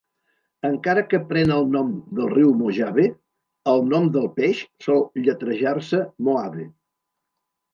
Encara que pren el nom del riu Mojave, el nom del peix sol lletrejar-se "Mohave".